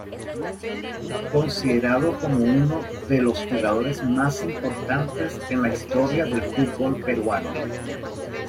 Considerado como uno de los jugadores más importantes en la historia del fútbol peruano.